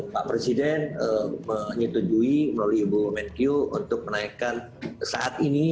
pak presiden menyetujui melalui ibu menkyu untuk menaikkan saat ini